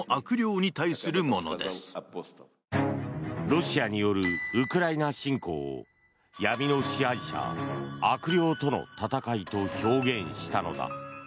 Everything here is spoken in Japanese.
ロシアによるウクライナ侵攻を闇の支配者、悪霊との闘いと表現したのだ。